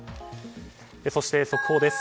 そして、速報です。